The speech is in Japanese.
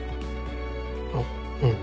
あっうん。